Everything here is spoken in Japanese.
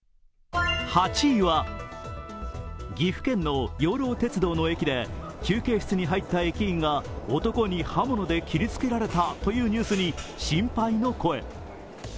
８位は、岐阜県の養老鉄道の鉄で休憩室に入った駅員が男に刃物で切りつけられたというニュースに心配の声。